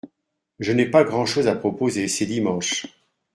Je n’ai pas grand-chose à proposer, c’est dimanche